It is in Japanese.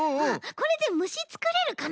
これでむしつくれるかな？